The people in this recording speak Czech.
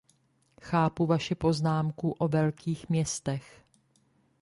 Chápu vaši poznámku o velkých městech.